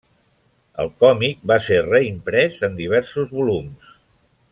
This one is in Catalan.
El còmic va ser reimprès en diversos volums.